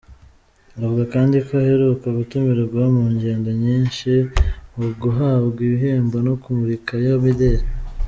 Avuga kandi ko aheruka gutumirwa mu ngendo nyinshi mu guhabwa ibihembo no kumurikayo imideri.